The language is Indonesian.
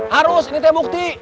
harus ini teh bukti